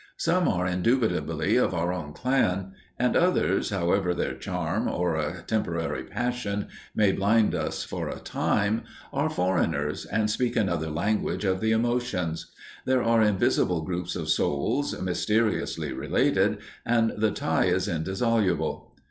Some are indubitably of our own clan, and others, however their charm, or a temporary passion, may blind us for a time, are foreigners, and speak another language of the emotions. There are invisible groups of souls, mysteriously related, and the tie is indissoluble.